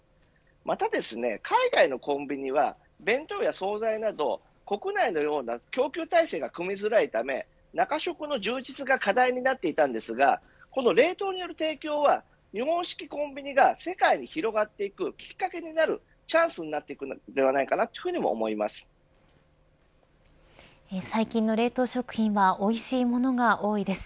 また、海外のコンビニは弁当や総菜など国内のような供給体制が組みづらいため中食の充実が課題になっていたんですがこの冷凍による提供は日本式コンビニが世界に広がっていくきっかけになるチャンスになっていくのかも最近の冷凍食品はおいしいものが多いです。